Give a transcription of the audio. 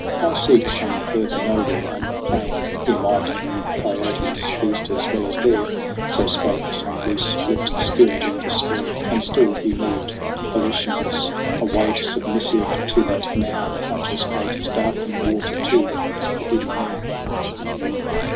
Why seek some further nowhere on the plain ? Here might the kiotes feast as well as there. So spoke some loose lipped spirit of despair; And still Hugh moved, volitionless a weight Submissive to that now unconscious hate, As darkling water to the hidden moon.